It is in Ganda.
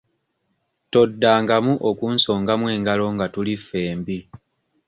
Toddangamu onkusongamu engalo nga tuli ffembi.